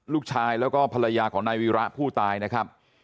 ลูกชายแล้วก็ภรรยาของนายวีระผู้ตายนะครับ